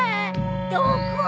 どこ！